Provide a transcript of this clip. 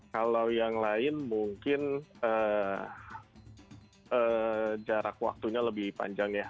kalau yang lain mungkin jarak waktunya lebih panjang ya